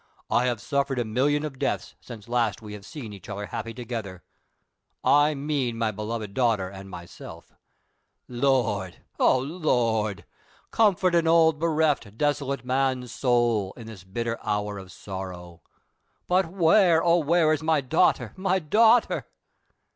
I have suffered a million of deaths since last we have seen each other happy together— I mean, my beloved daughter and myself ! Lord ! O Lord ! comfort an old bereft, desolate man's soul, in this bitter hour of sorrow ! But, where, O where is mv dancrhter. my dausrhter